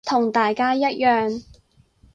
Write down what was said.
同大家一樣